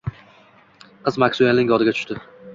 Qiz Maksuelning yodiga tushdi